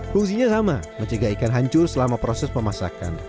fungsinya sama mencegah ikan hancur selama proses pemasakan